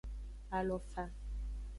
Alofa.